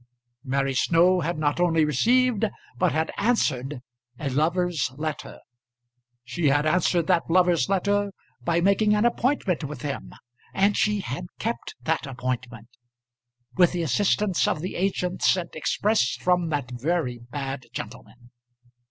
Mary Snow had not only received but had answered a lover's letter. She had answered that lover's letter by making an appointment with him; and she had kept that appointment, with the assistance of the agent sent express from that very bad gentleman.